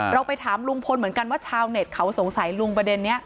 ไปถามลุงพลเหมือนกันว่าชาวเน็ตเขาสงสัยลุงประเด็นนี้